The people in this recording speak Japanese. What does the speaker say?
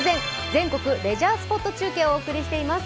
全国レジャースポット中継」をお送りしています。